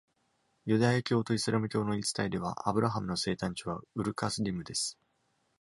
ユダヤ教とイスラム教の言い伝えでは、アブラハムの生誕地はウルカスディムです。